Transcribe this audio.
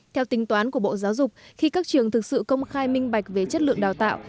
theo tính toán của bộ giáo dục khi các trường thực sự công khai minh bạch về chất lượng đào tạo